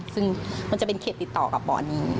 ซึ่งมันจะเป็นเขตติดต่อกับบ่อนี้